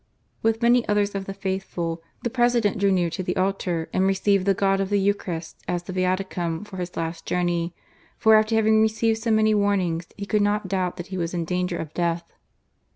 With many others of the faithful, the President drew near to the altar, and received the God of the Eucharist, as the Viaticum for his last journey, for after having received so many warnings, he could not doubt that he was in danger of death.